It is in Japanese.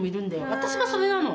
私がそれなの。